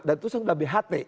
dan itu sudah bht